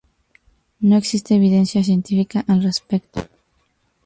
No existen evidencias científicas al respecto.